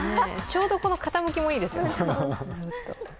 ちょうど、この傾きもいいですね